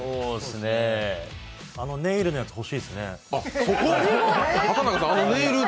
あのネイルのやつ、欲しいですねえ。